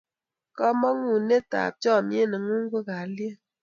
kamangunet ab chamiet nengun ko kalyet